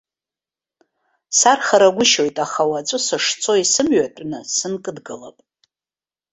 Сархарагәышьоит, аха уаҵәы сышцо исымҩатәны сынкыдгылап.